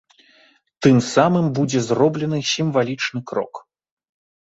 Тым самым будзе зроблены сімвалічны крок.